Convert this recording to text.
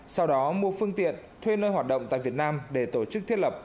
sau đó mua phương tiện thuê nơi hoạt động tại việt nam để tổ chức thiết lập